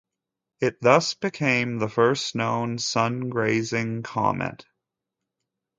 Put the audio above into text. It thus became the first known sungrazing comet.